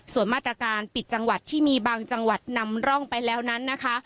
ส่วนมาตรการปิดจังหวัดที่มีบางจังหวัดนำร่องไปแล้วนั้นนะคะ